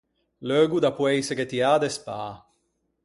Leugo da poeiseghe tiâ de spâ.